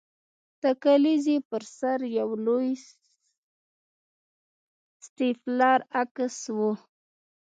د کلیزې پر سر د یو لوی سټیپلر عکس و